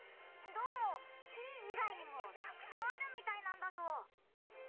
どうも火以外にもたくさんあるみたいなんだぞ。